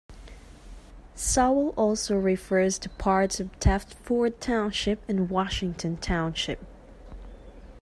Sewell also refers to parts of Deptford Township and Washington Township.